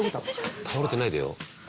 倒れてないでよ。